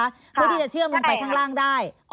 เพื่อที่จะเชื่อมลงไปข้างล่างได้